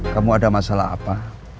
kamu ada masalah apa